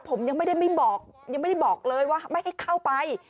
ผมยังไม่ได้ไม่บอกยังไม่ได้บอกเลยว่าไม่ให้เข้าไป